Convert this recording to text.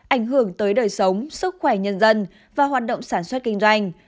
ảnh hưởng tới đời sống sức khỏe nhân dân và hoạt động sản xuất kinh doanh